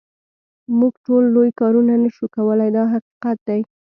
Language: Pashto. موږ ټول لوی کارونه نه شو کولای دا حقیقت دی.